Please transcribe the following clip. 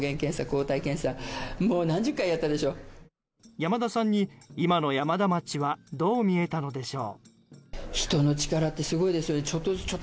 山田さんに、今の山田町はどう見えたのでしょう。